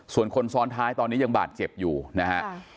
ส่วนคนซ้อนท้ายตอนนี้ยังบาดเจ็บอยู่นะฮะ